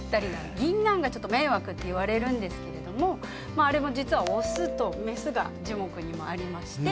銀杏が迷惑って言われるんですけれどもあれも実はオスとメスが樹木にもありまして。